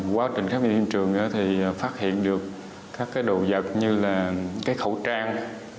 quá trình khám nghiệm hiện trường thì phát hiện được các đồ vật như là cái khẩu trang